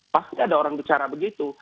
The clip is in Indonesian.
pasti ada orang bicara begitu